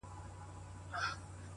• له مخلوقه يې جلا وه رواجونه,